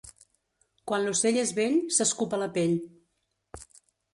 Quan l'ocell és vell s'escup a la pell.